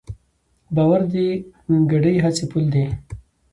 باور د ګډې هڅې پُل دی.